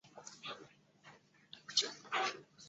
长镜头的拍摄方法。